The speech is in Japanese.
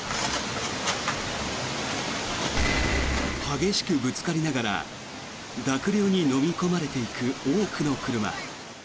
激しくぶつかりながら濁流にのみ込まれていく多くの車。